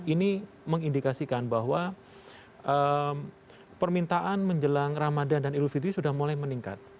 ini mengindikasikan bahwa permintaan menjelang ramadan dan idul fitri sudah mulai meningkat